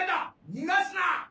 逃がすな！